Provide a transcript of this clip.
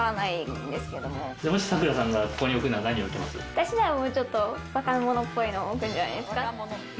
私ならもうちょっと若者っぽいものを置くんじゃないですか。